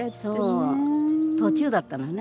そう途中だったのよね。